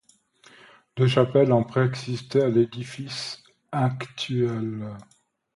Deux chapelles ont préexisté à l’édifice actuel.